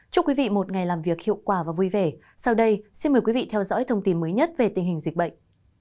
chúc quý vị một ngày làm việc hiệu quả và vui vẻ sau đây xin mời quý vị theo dõi thông tin mới nhất về tình hình dịch bệnh